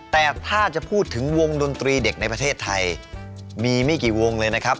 แต่ถ้าจะพูดถึงวงดนตรีเด็กในประเทศไทยมีไม่กี่วงเลยนะครับ